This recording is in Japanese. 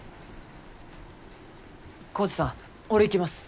耕治さん俺行きます。